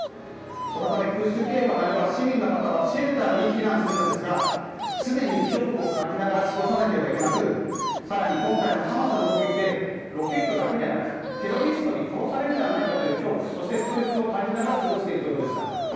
そのため空襲警報が鳴れば市民の方はシェルターに避難するのですが常に恐怖を感じながら過ごさなければいけなく更に今回のハマスの攻撃でロケットだけでなくテロリストに殺されるのではないかという恐怖そしてストレスを感じながら過ごしているということでした。